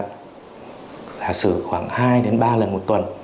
khả sử khoảng hai đến ba lần một tuần